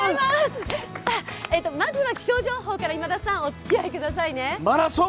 まずは気象情報からお付き合いくださいね。